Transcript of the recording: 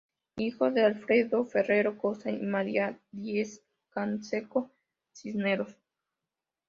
Hijo de Alfredo Ferrero Costa y Maria Diez-Canseco Cisneros.